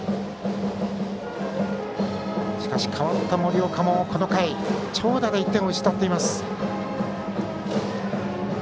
しかし、代わった森岡もこの回長打で１点を失っています。